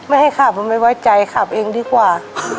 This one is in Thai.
ไม่ให้ขับผมไม่ไว้ใจขับเองดีกว่า